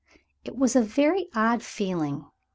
It was a very odd feeling.